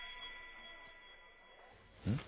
うん？